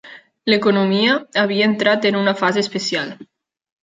L'economia havia entrat en una fase especial.